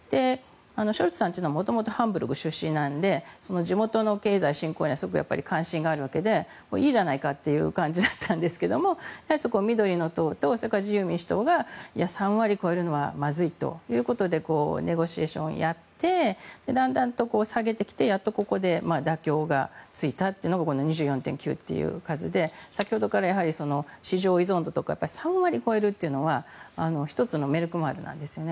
ショルツさんというのは元々、ハンブルク出身なので地元の経済振興にはすごく関心があるわけでいいじゃないかという感じだったんですけどもそこは緑の党とそれから自由民主党がいや、３割を超えるのはまずいということでネゴシエーションをやってだんだんと下げてきてやっとここで妥協がついたというのがこの２４．９という数で先ほどから、市場依存度とか３割を超えるっていうのは１つのメルクマールなんですよね。